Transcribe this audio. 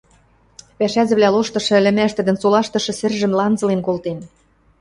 Пӓшӓзӹвлӓ лоштышы ӹлӹмӓш тӹдӹн солаштышы сӹржӹм ланзылен колтен.